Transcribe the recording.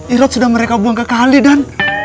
irot sudah mereka buang ke kali dan